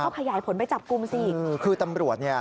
ก็ขยายผลไปจับกุมสิอืมคือตำรวจนี่ค่ะ